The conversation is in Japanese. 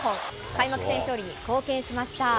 開幕戦勝利に貢献しました。